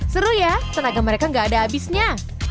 seru ya tenaga mereka gak ada habisnya